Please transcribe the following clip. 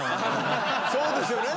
そうですよね。